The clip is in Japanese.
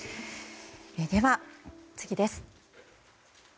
では、次です。